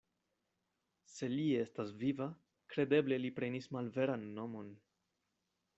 Se li estas viva, kredeble li prenis malveran nomon.